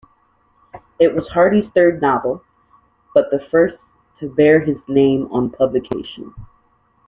It was Hardy's third novel, but the first to bear his name on publication.